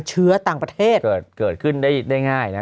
เชื้อต่างประเทศเกิดขึ้นได้ง่ายนะ